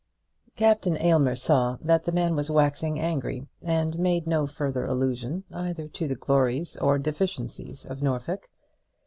Captain Aylmer saw that the man was waxing angry, and made no further allusion either to the glories or deficiencies of Norfolk.